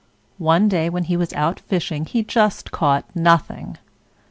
One day when he was out fishing he just caught nothing.